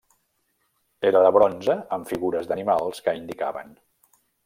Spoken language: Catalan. Era de bronze amb figures d'animals que indicaven.